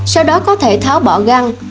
sau đó có thể tháo bỏ găng